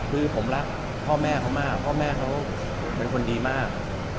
คือผมรักพ่อแม่เขามากพ่อแม่เขาเป็นคนดีมาก